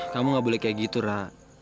kamu gak boleh kayak gitu ra